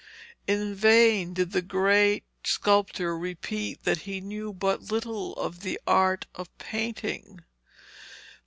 In vain did the great sculptor repeat that he knew but little of the art of painting.